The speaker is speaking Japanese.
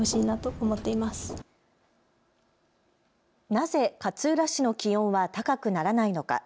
なぜ勝浦市の気温は高くならないのか。